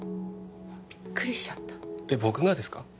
ビックリしちゃったえっ僕がですか？